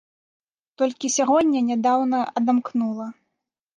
Толькі сягоння нядаўна адамкнула.